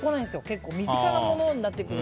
結構身近なものになってくる。